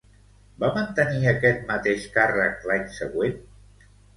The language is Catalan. Va mantenir aquest mateix càrrec l'any següent?